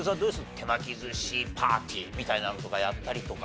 手巻き寿司パーティーみたいなのとかやったりとか。